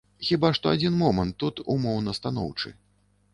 Хіба што адзін момант тут умоўна станоўчы.